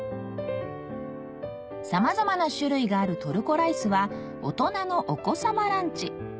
さまざまな種類があるトルコライスは大人のお子さまランチ